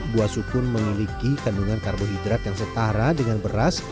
buah sukun memiliki kandungan karbohidrat yang setara dengan beras